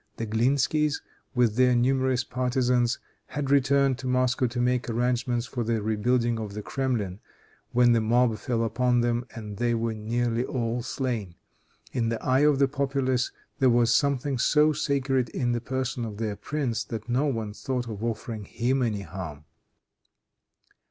The Glinskys, with their numerous partisans, had returned to Moscow to make arrangements for the rebuilding of the Kremlin when the mob fell upon them, and they were nearly all slain. In the eye of the populace, there was something so sacred in the person of their prince that no one thought of offering him any harm.